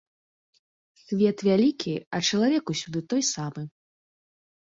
Свет вялікі, а чалавек усюды той самы.